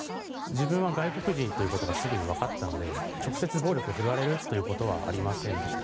自分は外国人だということがすぐにわかったので直接、暴力を振るわれることはありませんでした。